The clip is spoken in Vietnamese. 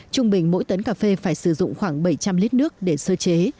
trung bình mỗi tấn cà phê phải sử dụng khoảng bảy trăm linh lít nước để sơ chế